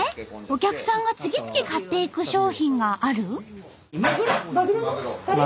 お客さんが次々買っていく商品がある？